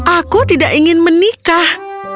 aku tidak ingin menikah